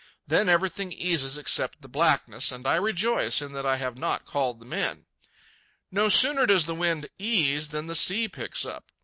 Then everything eases except the blackness, and I rejoice in that I have not called the men. No sooner does the wind ease than the sea picks up.